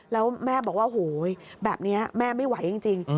แล้วแม่บอกว่าโหยแบบนี้แม่ไม่ไหวจริง